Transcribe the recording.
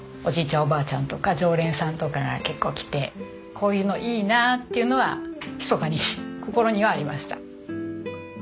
おばあちゃんとか常連さんとかが結構来てこういうのいいなっていうのはひそかに心にはありました。